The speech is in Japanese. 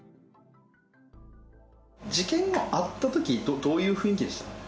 事件後、会ったとき、どういう雰囲気でした？